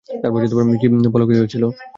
বল কী হয়েছিল।